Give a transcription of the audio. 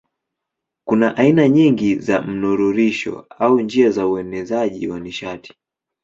Kuna aina nyingi za mnururisho au njia za uenezaji wa nishati.